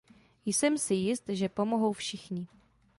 Jsem si jist, že pomohou všichni.